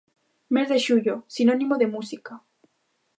Mes de xullo, sinónimo de música.